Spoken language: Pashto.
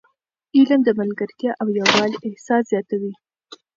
علم د ملګرتیا او یووالي احساس زیاتوي.